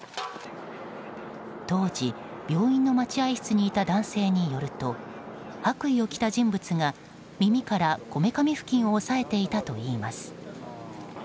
当時、病院の待合室にいた男性によると白衣を着た人物が耳からこめかみ付近を押さえていたといいます。